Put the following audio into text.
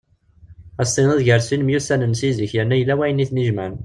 Ad as-tiniḍ gar sin myussanen seg zik yerna yella wayen iten-ijemɛen.